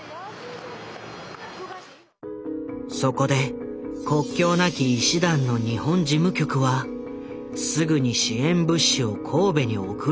そこで国境なき医師団の日本事務局はすぐに支援物資を神戸に送ろうと動いた。